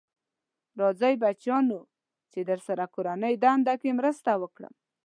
راځی بچیانو چې درسره کورنۍ دنده کې مرسته وکړم.